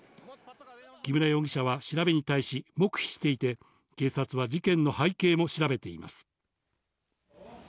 木村容疑者は調べに対し黙秘していて、警察は事件の背景も調べています。